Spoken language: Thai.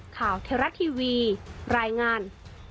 ข่าวเทราะห์ทีวีรายงาน